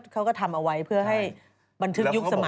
เขาก็ทำเอาไว้เพื่อให้บันทึกยุคสมัย